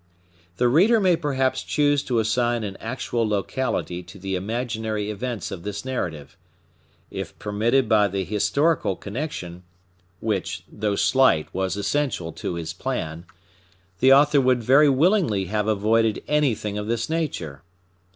The reader may perhaps choose to assign an actual locality to the imaginary events of this narrative. If permitted by the historical connection,—which, though slight, was essential to his plan,—the author would very willingly have avoided anything of this nature.